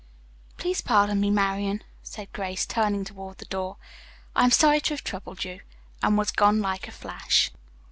"Please pardon me, Marian," said Grace, turning toward the door. "I am sorry to have troubled you," and was gone like a flash.